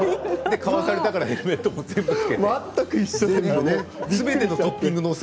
買わされたからヘルメットもつけて。